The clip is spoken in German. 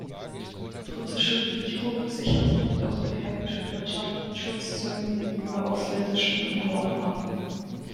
Die britische Regierung sicherte jedoch die heimische Wirtschaft mit Schutzzöllen gegenüber ausländischen Importen ab.